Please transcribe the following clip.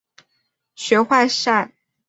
学坏晒！